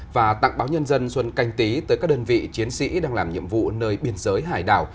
và tặng báo nhân dân xuân canh tí tới các đơn vị chiến sĩ đang làm nhiệm vụ nơi biên giới hải đảo